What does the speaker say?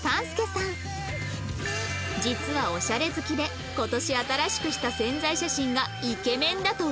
実はオシャレ好きで今年新しくした宣材写真がイケメンだと話題に